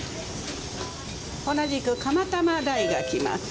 同じく釜玉大が来ます。